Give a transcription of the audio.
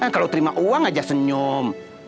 kalau terima uang aja senyum